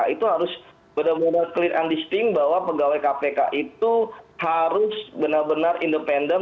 itu harus benar benar clear and disting bahwa pegawai kpk itu harus benar benar independen